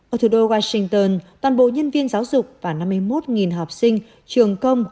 ở thủ đô washington toàn bộ nhân viên giáo dục và năm mươi một học sinh trường công